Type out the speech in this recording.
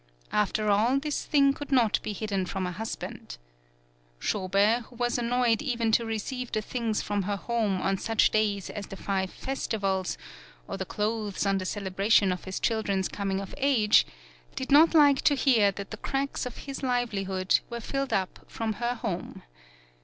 After all, this thing could not be hidden from a hus band. Shobei, who was annoyed even to receive the things from her home on such days as the five festivals, or the clothes on the celebration of his chil dren's coming of age, did not like to hear that the cracks of his livelihood were filled up from her home.